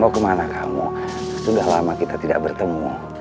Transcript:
mau kemana kamu sudah lama kita tidak bertemu